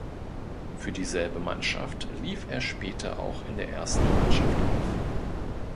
Für dieselbe Mannschaft lief er später auch in der ersten Mannschaft auf.